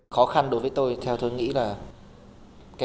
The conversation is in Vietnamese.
khó khăn đối với tôi theo tôi nghĩ là